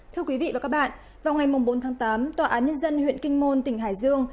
thưa quý vị và các bạn vào ngày bốn tháng tám tòa án nhân dân huyện kinh môn tỉnh hải dương